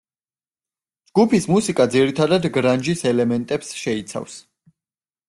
ჯგუფის მუსიკა ძირითადად გრანჟის ელემენტებს შეიცავს.